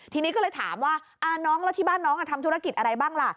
ทีนี้ก็เลยถามว่าน้องแล้วที่บ้านน้องทำธุรกิจอะไรบ้างล่ะ